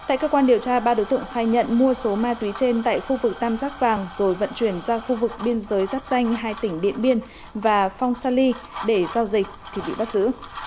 tại cơ quan điều tra ba đối tượng khai nhận mua số ma túy trên tại khu vực tam giác vàng rồi vận chuyển ra khu vực biên giới giáp danh hai tỉnh điện biên và phong sa ly để giao dịch thì bị bắt giữ